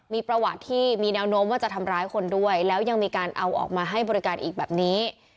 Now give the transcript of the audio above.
มีประวัติที่มีแนวโน้มว่าจะทำร้ายคนด้วยแล้วยังมีการเอาออกมาให้บริการอีกแบบนี้